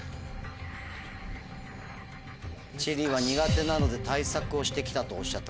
地理は苦手なので対策をして来たとおっしゃってました。